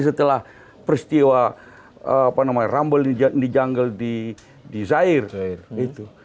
setelah peristiwa rumble di jungle di zaire